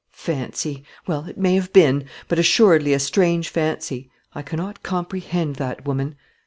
Fancy! Well, it may have been, but assuredly a strange fancy. I cannot comprehend that woman.